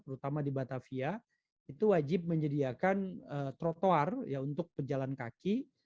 terutama di batavia itu wajib menyediakan trotoar untuk pejalan kaki